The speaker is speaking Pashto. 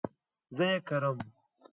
زه ئې کرم